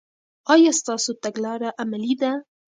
آیا ستاسو تګلاره عملي ده؟